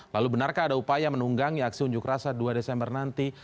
lalu benarkah ada upaya menunggangi aksi unjuk rasa dua desember nanti